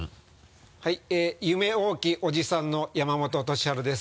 はい夢多きおじさんの山本俊治です。